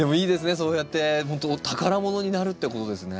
そうやってほんと宝物になるってことですね。